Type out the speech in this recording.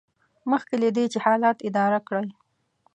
مخکې له دې چې حالات اداره کړئ.